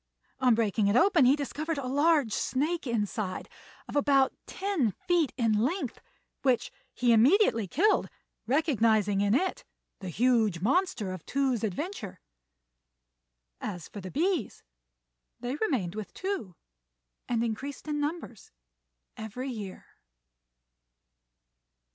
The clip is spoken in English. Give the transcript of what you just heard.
On breaking it open he discovered a large snake inside of about ten feet in length, which he immediately killed, recognising in it the "huge monster" of Tou's adventure. As for the bees, they remained with Tou, and increased in numbers every year.